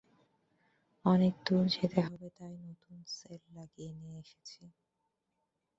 অনেকদূর যেতে হবে তাই নতুন সেল লাগিয়ে নিয়ে এসেছি।